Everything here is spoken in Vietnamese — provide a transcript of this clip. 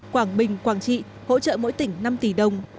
quảng bình quảng trị hỗ trợ mỗi tỉnh năm tỷ đồng